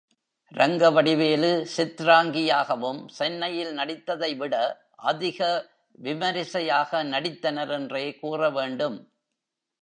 ரங்கவடிவேலு சித்ராங்கியாகவும் சென்னையில் நடித்ததைவிட அதிக விமரிசையாக நடித்தனர் என்றே கூற வேண்டும்.